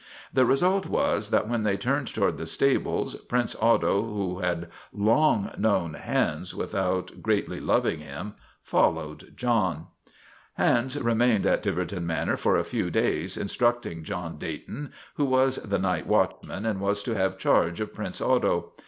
The result was that when they turned toward the stables, Prince Otto, who had long known Hans without greatly loving him, followed John. Hans remained at Tiverton Manor for a few days, instructing John Dayton, who was the night watchman and was to have charge of Prince Otto.